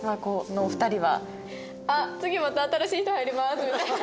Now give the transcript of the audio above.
「あっ次また新しい人入ります」みたいな。